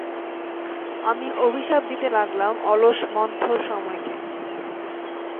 আমি অভিশাপ দিতে লাগলাম অলস মন্থর সময়কে।